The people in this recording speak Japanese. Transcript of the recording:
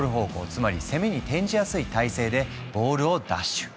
つまり攻めに転じやすい体勢でボールを奪取。